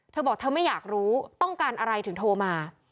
เธอบอกเธอไม่อยากรู้ต้องการอะไรถึงโทรมา